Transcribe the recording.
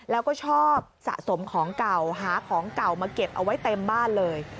แล้วก็ชอบสะสมของเก่าหาของเก่ามาเก็บเอาไว้เต็มบ้านเลย